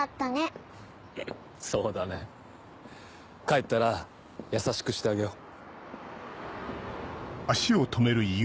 帰ったら優しくしてあげよう。